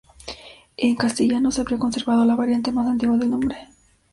En castellano se habría conservado la variante más antigua del nombre.